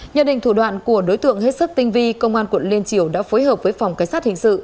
nhờ định thủ đoạn của đối tượng hết sức tinh vi công an tp hcm đã phối hợp với phòng cảnh sát hình sự